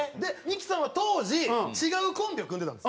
ミキさんは当時違うコンビを組んでたんです。